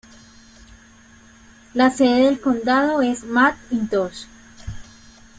La sede del condado es McIntosh.